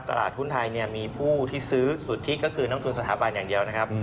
ตลาดหุ้นไทยมีผู้ที่ซื้อสุทธิก็คือนักทุนสถาบันอย่างเดียวนะครับ